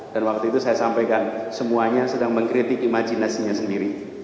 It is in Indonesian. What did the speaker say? dan waktu itu saya sampaikan semuanya sedang mengkritik imajinasinya sendiri